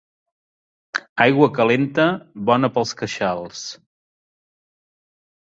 Aigua calenta, bona pels queixals.